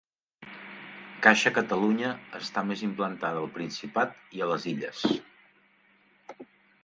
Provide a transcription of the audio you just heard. Caixa Catalunya està més implantada al Principat i a les Illes.